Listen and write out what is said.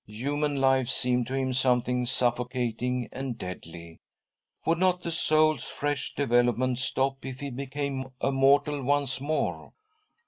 Human life seemed to him something suffocating and deadly. Would not the soul's fresh development stop, if he became a mortal once more